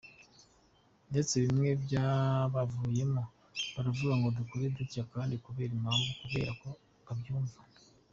Ndetse bimwe byabavuyemo baravuga ngo dukore dutya kandi kubera impamvu, kubera ko babyumva.